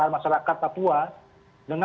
masyarakat papua dengan